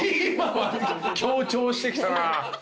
強調してきたな。